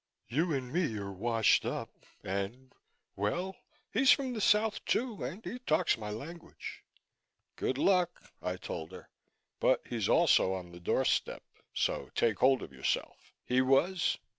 You and me are washed up and well, he's from the South, too, and he talks my language." "Good luck," I told her. "But he's also on the doorstep, so take hold of yourself." He was.